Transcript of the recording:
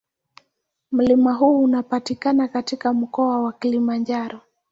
Mlima huo unapatikana katika Mkoa wa Kilimanjaro.